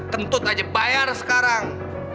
tentu aja bayar sekarang